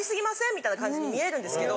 みたいな感じに見えるんですけど。